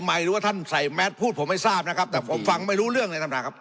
หรือว่าท่านใส่แมสพูดผมไม่ทราบนะครับแต่ผมฟังไม่รู้เรื่องเลยท่านประธานครับ